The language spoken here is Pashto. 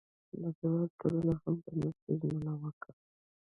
نړیوالې ټولنې هم د مرستې ژمنه وکړه.